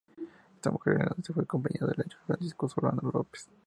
Esta mujer irlandesa fue compañera de hecho de Francisco Solano López.